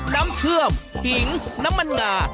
น้ำเชื่อมขิงน้ำมันงา